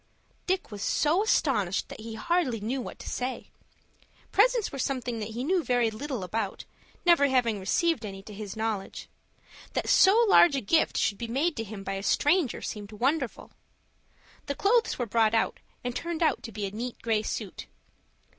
Dick was so astonished that he hardly knew what to say. Presents were something that he knew very little about, never having received any to his knowledge. That so large a gift should be made to him by a stranger seemed very wonderful. The clothes were brought out, and turned out to be a neat gray suit.